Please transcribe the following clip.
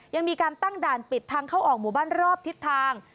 ยังมีการตั้งด่านปิดทางเข้าออกหมู่บ้านรอบทิศทาง